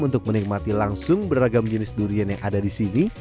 untuk menikmati langsung beragam jenis durian yang ada disini